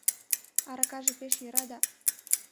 Аракаже пеш йӧра да